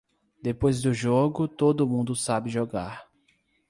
Depois do jogo, todo mundo sabe jogar.